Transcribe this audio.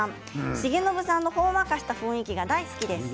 重信さんのほんわかした雰囲気が大好きです。